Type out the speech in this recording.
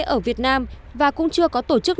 ở việt nam và cũng chưa có tổ chức